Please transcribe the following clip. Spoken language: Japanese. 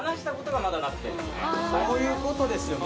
そういうことですよ